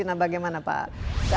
nah bagaimana pak